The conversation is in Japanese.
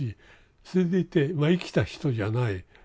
それでいてまあ生きた人じゃない。